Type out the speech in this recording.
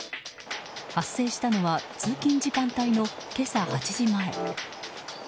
発生したのは通勤時間帯の今朝８時前。